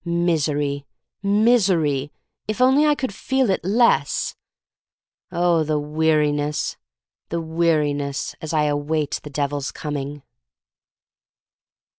Misery — misery! If only I could feel it less! Oh, the weariness, the weariness — as I await the Devil's coming.